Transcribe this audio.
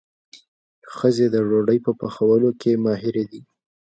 ښځې د ډوډۍ په پخولو کې ماهرې دي.